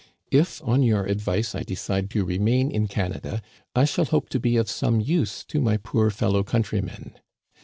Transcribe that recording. If on your advice I decide to remain in Canada, I shall hope to be of some use to my poor fellow countrjrmen.